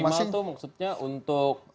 maksimal itu maksudnya untuk